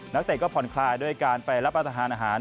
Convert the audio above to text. นักเตะก็ผ่อนคลายด้วยการไปรับอาทิตย์อาหาร